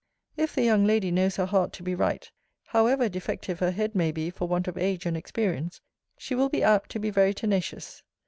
If the young lady knows her heart to be right, however defective her head may be for want of age and experience, she will be apt to be very tenacious.